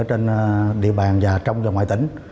trên địa bàn và trong và ngoài tỉnh